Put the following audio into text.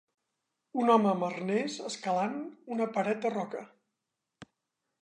un home amb arnès escalant una paret de roca